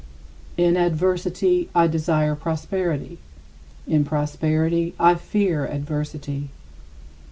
In adversity, I desire prosperity; in prosperity, I fear adversity.